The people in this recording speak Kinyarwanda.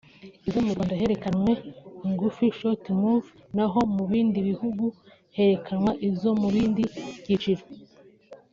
Izo mu Rwanda herekanwe ingufi [short movies] naho mu bindi bihugu herekanwe izo mu bindi byiciro